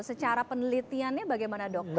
secara penelitiannya bagaimana dok